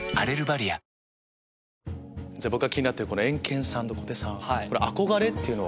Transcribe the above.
僕が気になるエンケンさんと小手さん「憧れ」っていうのは？